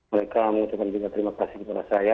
mereka mengucapkan juga terima kasih kepada saya